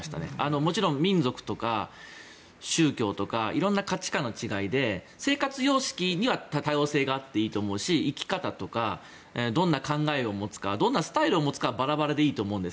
もちろん民族とか宗教とか色んな価値観の違いで生活様式には多様性があっていいと思うし生き方とかどんな考えを持つかどんなスタイルを持つかはバラバラでいいと思うんです。